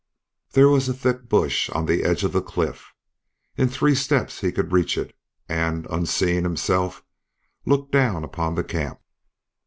There was a thick bush on the edge of the cliff; in three steps he could reach it and, unseen himself, look down upon the camp.